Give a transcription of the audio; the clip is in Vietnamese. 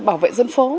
bảo vệ dân phố